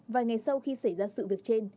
vài ngày sau khi xảy ra sự việc trên